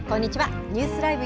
ニュースＬＩＶＥ！